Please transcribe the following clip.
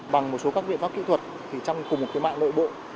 bằng một số các biện pháp kỹ thuật thì trong cùng một cái mạng nội bộ